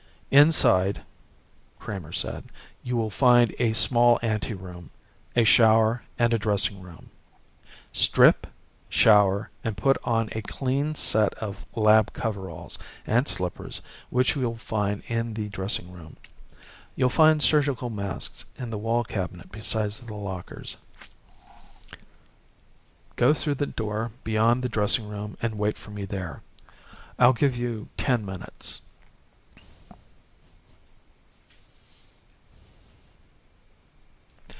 "Inside," Kramer said, "you will find a small anteroom, a shower, and a dressing room. Strip, shower, and put on a clean set of lab coveralls and slippers which you will find in the dressing room. You'll find surgical masks in the wall cabinet beside the lockers. Go through the door beyond the dressing room and wait for me there. I'll give you ten minutes."